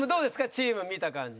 チーム見た感じ。